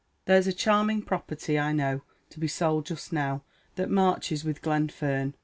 There's a charming property, I know, to be sold just now, that marches with Glenfern.